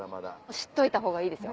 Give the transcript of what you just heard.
知っといたほうがいいですよ